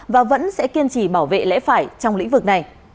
và vẫn sẽ kiên trì bảo vệ lẽ phải trong lĩnh vực này